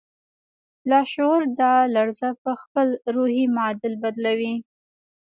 لاشعور دا لړزه پهخپل روحي معادل بدلوي